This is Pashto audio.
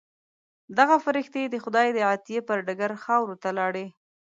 دغه فرښتې د خدای د عطیې پر ډګر خاورو ته لاړې.